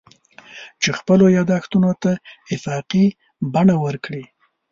چې خپلو یادښتونو ته افاقي بڼه ورکړي.